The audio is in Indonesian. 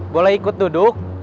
boleh ikut duduk